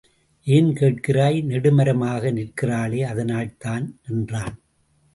ஏன் கேட்கிறாய்? நெடுமரமாக நிற்கிறாளே அதனால்தான் என்றான்.